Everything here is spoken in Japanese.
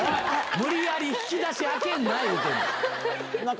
無理やり引き出し開けんな言うてんの。